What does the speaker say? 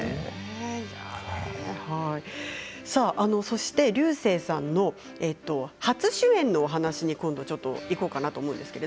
そして、竜星さんの初主演のお話にいこうかなと思います。